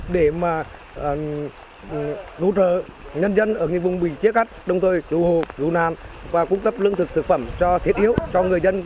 để lưu trợ